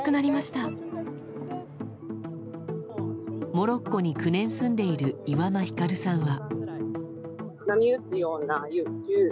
モロッコに９年住んでいる岩間ひかるさんは。